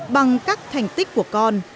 bằng các thành tích của con